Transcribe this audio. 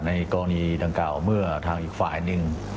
ในกรณีดังกล่าวเมื่อทางอีกฝ่ายหนึ่ง